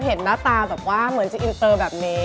เห็นหน้าตาก็เหมือนว่าจะเปิดแบบนี้